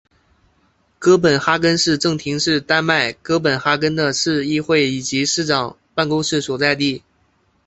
哥本哈根市政厅是丹麦哥本哈根的市议会以及市长办公室所在地。